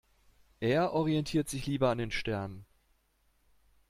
Er orientiert sich lieber an den Sternen.